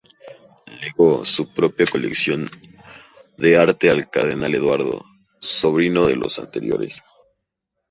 Legó su propia colección de arte al cardenal Eduardo, sobrino de los anteriores.